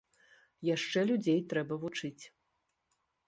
Яшчэ людзей трэба вучыць.